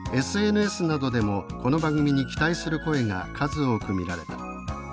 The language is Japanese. ＳＮＳなどでもこの番組に期待する声が数多く見られた。